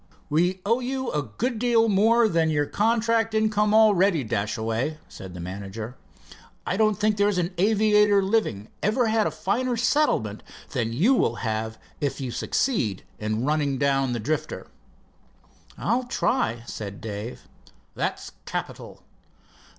"We owe you a good deal more than your contract income already, Dashaway," said the manager. "I don't think there's an aviator living ever had a finer settlement than you will have if you succeed in running down the Drifter." "I'll try," said Dave. "That's capital."